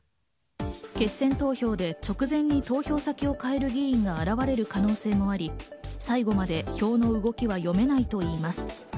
決選投票で直前に投票先を変える議員が現れる可能性もあり、最後まで票の動きが読めないといいます。